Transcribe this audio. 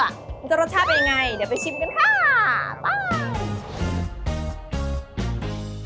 มันจะรสชาติเป็นยังไงเดี๋ยวไปชิมกันค่ะไป